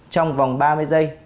trong vòng ba mươi giây